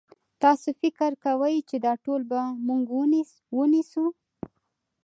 تاسو فکر کوئ چې دا ټول به موږ ونیسو؟